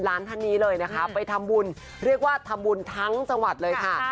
ท่านนี้เลยนะคะไปทำบุญเรียกว่าทำบุญทั้งจังหวัดเลยค่ะ